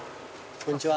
こんにちは。